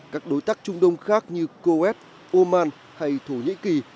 các đối tác trung đông khác như coes oman hay thổ nhĩ kỳ